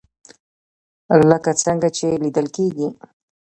لکه څنګه چې ليدل کېږي